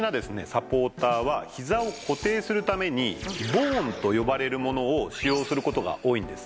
サポーターはひざを固定するためにボーンと呼ばれるものを使用する事が多いんです。